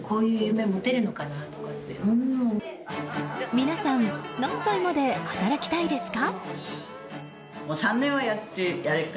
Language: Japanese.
皆さん何歳まで働きたいですか？